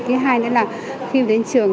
thứ hai nữa là khi đến trường